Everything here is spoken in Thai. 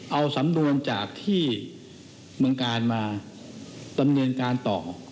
เอาสำนวนจากที่เมืองกาลมาดำเนินการต่อ